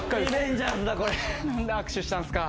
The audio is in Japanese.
・何で握手したんすか？